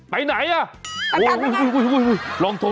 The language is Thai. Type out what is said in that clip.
ไปไหนอ่ะ